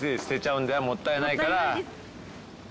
もったいないです。